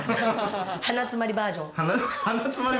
鼻詰まりバージョン。